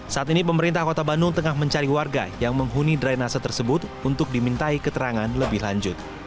saat ini pemerintah kota bandung tengah mencari warga yang menghuni dry nasa tersebut untuk dimintai keterangan lebih lanjut